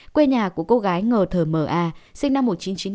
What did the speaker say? quê nhà của cô gái ngờ thờ m a sinh năm một nghìn chín trăm chín mươi bảy